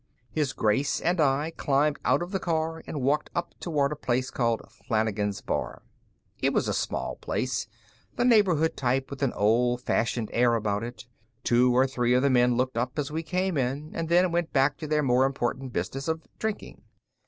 His Grace and I climbed out of the car and walked up toward a place called Flanagan's Bar. It was a small place, the neighborhood type, with an old fashioned air about it. Two or three of the men looked up as we came in, and then went back to the more important business of drinking.